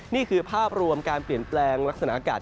นี่คือภาพรวมการเปลี่ยนแปลงลักษณะอากาศ